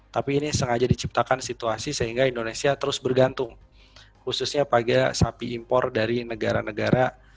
tapi ini sengaja diciptakan situasi sehingga indonesia terus bergantung khususnya pada sapi impor dari negara negara